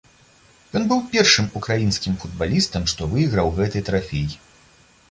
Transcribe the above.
Ён быў першым украінскім футбалістам, што выйграў гэты трафей.